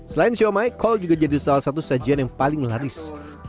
selain siomay kol juga jadi salah satu sajian yang paling laris